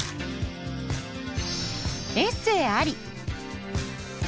エッセイあり。